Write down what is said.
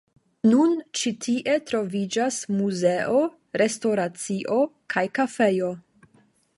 Nun ĉi tie troviĝas muzeo, restoracio kaj kafejo.